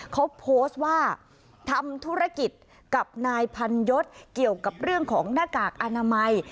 เขาโพสต์ว่าทำธุรกิจกับนายพันยศเกี่ยวกับเรื่องของหน้ากากอนามัย